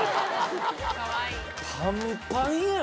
パンパンやん！